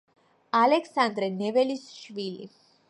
ალექსანდრე ნეველის შვილი.